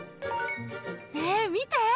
ねえ、見て。